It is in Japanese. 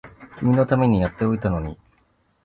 君のためにやっておいたのに